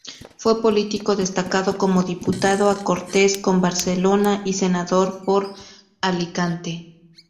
Fue político destacado como diputado a Cortes por Barcelona y senador por Alicante.